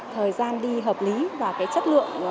thời gian đi hợp lý và chất lượng